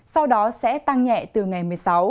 sau đó sẽ tăng nhẹ từ ngày một mươi sáu